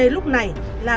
lúc này là